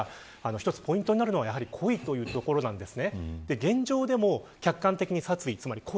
一つポイントになるのは故意というところです。